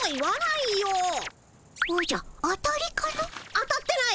当たってない。